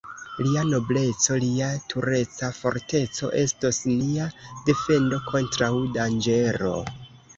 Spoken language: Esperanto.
Lia nobleco, lia tureca forteco estos mia defendo kontraŭ danĝero.